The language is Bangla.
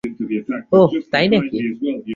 ওহ, তাই নাকি?